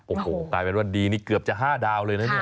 โอ้โหกลายเป็นว่าดีนี่เกือบจะ๕ดาวเลยนะเนี่ย